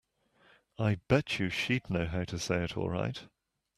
I bet you she'd know how to say it all right.